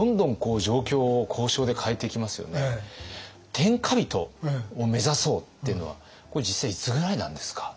天下人を目指そうっていうのはこれ実際いつぐらいなんですか？